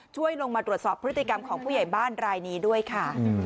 ช่วยลงมาตรวจสอบพฤติกรรมของผู้ใหญ่บ้านรายนี้ด้วยค่ะ